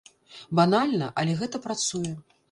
Банальна, але гэта працуе.